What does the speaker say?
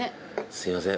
すいません。